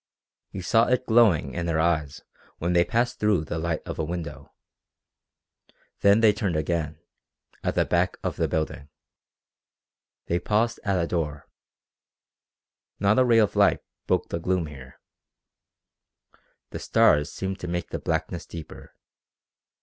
He saw it glowing in her eyes when they passed through the light of a window. Then they turned again, at the back of the building. They paused at a door. Not a ray of light broke the gloom here. The stars seemed to make the blackness deeper.